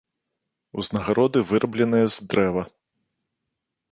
Узнагароды вырабленыя з дрэва.